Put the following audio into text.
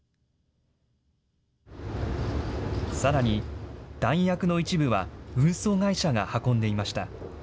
さらに弾薬の一部は、運送会社が運んでいました。